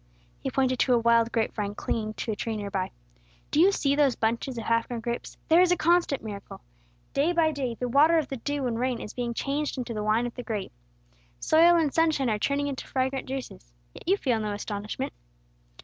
He pointed to a wild grape vine clinging to a tree near by. "Do you see those bunches of half grown grapes? There is a constant miracle. Day by day, the water of the dew and rain is being changed into the wine of the grape. Soil and sunshine are turning into fragrant juices. Yet you feel no astonishment."